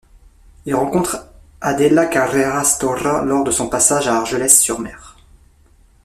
Il rencontre Adela Carreras Taurà lors de son passage à Argelès-sur-Mer.